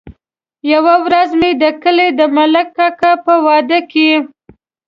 يوه ورځ مې د کلي د ملک کاکا په واده کې.